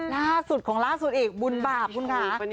ล่าสุดของล่าสุดอีกบุญบาปคุณค่ะ